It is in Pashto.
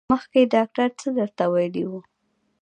مخکې ډاکټر څه درته ویلي وو؟